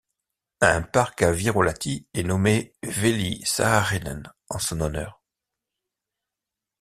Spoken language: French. Un parc à Virolahti est nommé Veli Saarinen en son honneur.